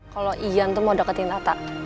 kalo ian tuh mau deketin atta